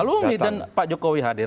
alumni dan pak jokowi hadir